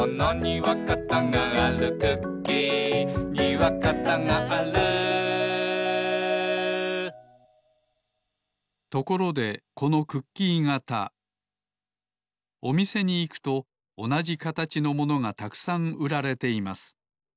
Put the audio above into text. そうあれをつかうのですところでこのクッキー型おみせにいくとおなじかたちのものがたくさんうられています。